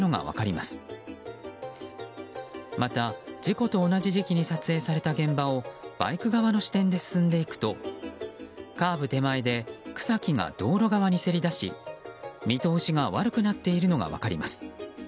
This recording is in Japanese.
また、事故と同じ時期に撮影された現場をバイク側の視点で進んでいくとカーブ手前で草木が道路側にせり出し見通しが悪くなっているのが分かります。